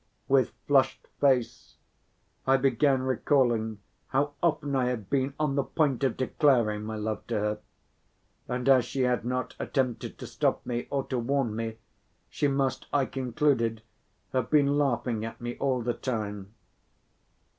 With flushed face I began recalling how often I had been on the point of declaring my love to her, and as she had not attempted to stop me or to warn me, she must, I concluded, have been laughing at me all the time.